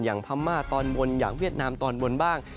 พม่าตอนบนอย่างเวียดนามตอนบนบ้าง